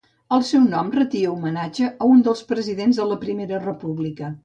El seu nom retia homenatge a un dels presidents de la Primera República.